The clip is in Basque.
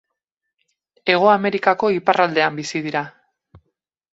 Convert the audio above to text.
Hego Amerikako iparraldean bizi dira.